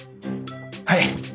はい！